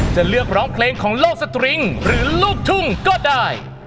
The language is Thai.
จะเลือกร้องเพลงของโลกสตริงหรือลูกทุ่งก็ได้